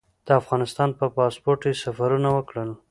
د افغانستان په پاسپورټ یې سفرونه وکړل.